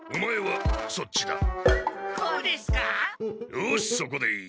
よしそこでいい。